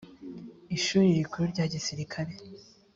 ishuri rikuru rya gisirikare